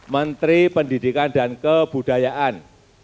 menteri pendidikan dan kebudayaan